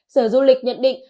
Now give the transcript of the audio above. sở du lịch nhận định